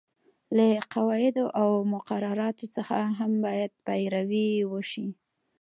له قواعدو او مقرراتو څخه هم باید پیروي وشي.